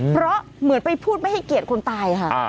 เพราะเหมือนไปพูดไม่ให้เกียรติคนตายค่ะ